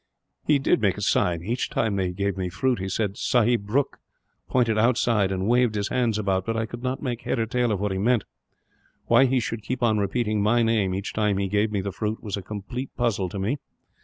"He did make a sign. Each time he gave me fruit, he said 'Sahib Brooke,' pointed outside, and waved his arms about; but I could not make head or tail of what he meant. Why he should keep on repeating my name, each time he gave me the fruit, was a complete puzzle for me.